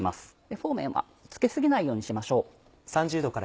フォー麺はつけ過ぎないようにしましょう。